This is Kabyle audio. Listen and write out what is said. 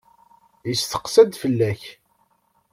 Yesteqsa-d fell-ak.